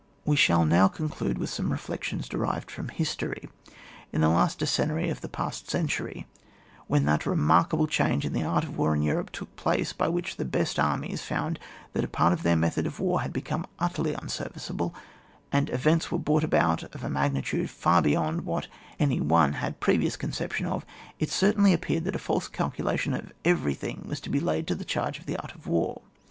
We shall now conclude with some reflections derived from history. In the lastdecennary of thepastcentmyt when that remarkable change in the art of war inEuropetook place by which the best armies found that a part of their method of war had become utterly unserviceable, and events were brought about of a mag nitude far beyond what any one had any previous conception of, it certainly ap peared that a false calculation of every thing was to be laid to the charge of the art of war.